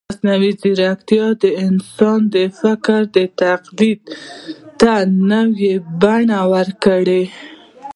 مصنوعي ځیرکتیا د انسان د فکر تقلید ته نوې بڼه ورکوي.